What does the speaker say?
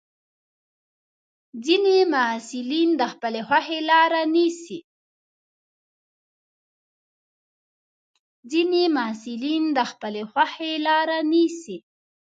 ځینې محصلین د خپلې خوښې لاره نیسي.